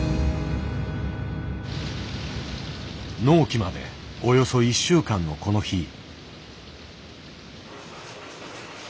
納期までおよそ１週間のこの日。